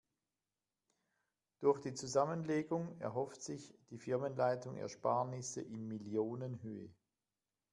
Durch die Zusammenlegung erhofft sich die Firmenleitung Ersparnisse in Millionenhöhe.